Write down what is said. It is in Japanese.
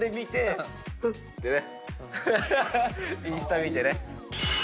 インスタ見てね。